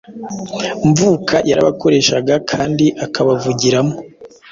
Mwuka yarabakoreshaga kandi akabavugiramo.